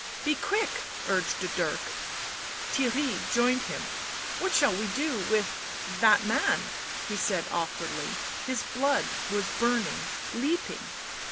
" Be quick !" urged Dirk. Theirry joined him. " What shall we do with— that man ?" he said awkwardly ; his blood was burning, leaping.